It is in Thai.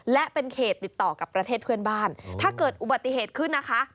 และเป็นเขตติดต่อกับประเทศเพื่อนบ้านถ้าเกิดอุบัติเหตุขึ้นนะคะ